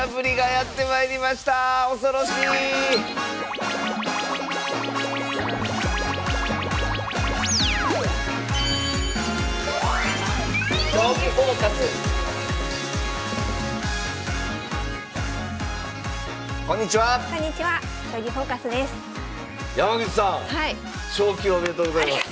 ありがとうございます。